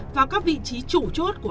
và các vị trí chủ chốt của scb